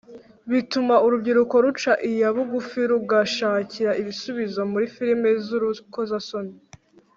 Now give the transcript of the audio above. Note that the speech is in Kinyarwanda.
bituma urubyiruko ruca iya bugufi rugashakira ibisubizo muri filimi z’urukozasoni